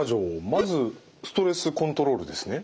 まずストレスコントロールですね。